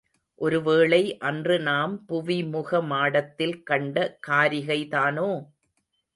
ஒருவேளை அன்று நாம் புவிமுக மாடத்தில் கண்ட காரிகை தானோ?